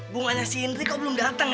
bunganya si indri kok belum dateng ya